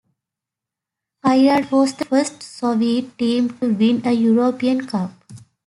Kairat was the first Soviet Team to win a European cup.